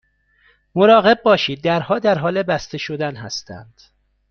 مراقب باشید، درها در حال بسته شدن هستند.